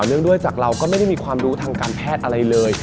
เรื่องด้วยจากเราก็ไม่ได้มีความรู้ทางการแพทย์อะไรเลย